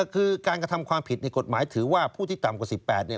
คือการกระทำความผิดในกฎหมายถือว่าผู้ที่ต่ำกว่า๑๘เนี่ย